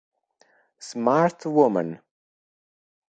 Smart Woman